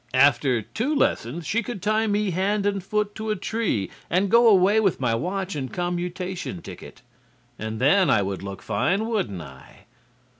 After two lessons she could tie me hand and foot to a tree and go away with my watch and commutation ticket. And then I would look fine, wouldn't I?